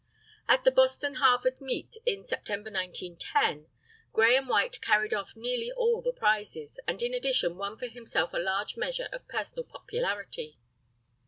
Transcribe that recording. At the Boston Harvard meet, in September, 1910, Grahame White carried off nearly all the prizes, and in addition won for himself a large measure of personal popularity.